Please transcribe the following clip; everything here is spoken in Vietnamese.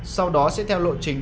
sau đó sẽ theo lộ trình